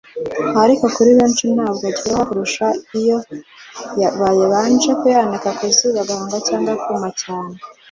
ariko kuri benshi ngo aryoha kurushaho iyo babanje kuyanika ku zuba agahonga cyangwa akuma cyane